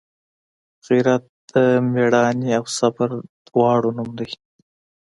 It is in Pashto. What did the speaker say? غیرت د میړانې او صبر دواړو نوم دی